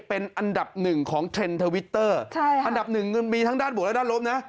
เป็นอันดับหนึ่งของเทรนด์ทวิตเตอร์ใช่ค่ะอันดับหนึ่งมีทั้งด้านบวกและด้านลบนะ